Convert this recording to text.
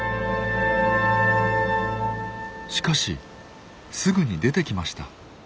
しかしすぐに出てきました。